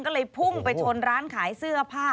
ก็เลยพุ่งไปชนร้านขายเสื้อผ้า